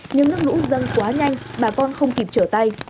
nhưng nước lũ dâng quá nhanh bà con không kịp trở tay